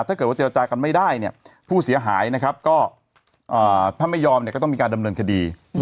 ถ้าเกิดว่าเจรจากันไม่ได้เนี่ยผู้เสียหายนะครับก็ถ้าไม่ยอมเนี่ยก็ต้องมีการดำเนินคดี